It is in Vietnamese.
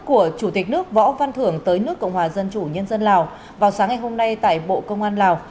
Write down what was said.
của chủ tịch nước võ văn thưởng tới nước cộng hòa dân chủ nhân dân lào vào sáng ngày hôm nay tại bộ công an lào